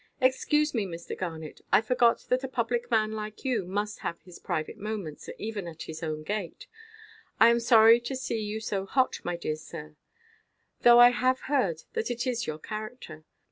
"Excuse me, Mr. Garnet. I forgot that a public man like you must have his private moments, even at his own gate. I am sorry to see you so hot, my dear sir; though I have heard that it is your character.